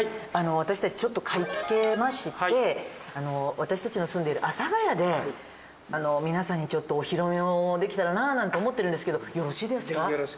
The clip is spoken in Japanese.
私たちちょっと買い付けまして私たちの住んでいる阿佐ヶ谷で皆さんにちょっとお披露目をできたらなあなんて思ってるんですけどよろしいですか？